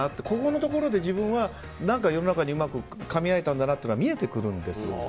ここのところで自分は世の中にうまくかみ合えたんだなというのが見えてくるんです。